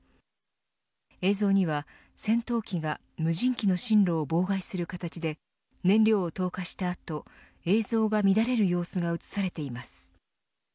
映像には戦闘機が無人機の進路を妨害する形で燃料を投下したあと映像が乱れる様子が映されています。